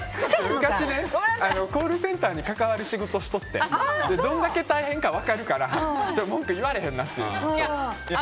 昔コールセンターに関わる仕事をしとってどんだけ大変か分かってるから文句言われへんなっていう。